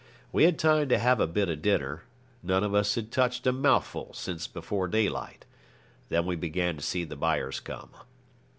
We had time to have a bit of dinner. None of us had touched a mouthful since before daylight. Then we began to see the buyers come.